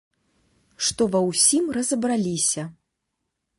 Што ва ўсім разабраліся.